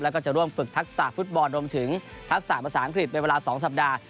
แล้วก็จะร่วมฝึกทักษะฟุตบอลรวมถึงทักษะภาษาอังกฤษเป็นเวลา๒สัปดาห์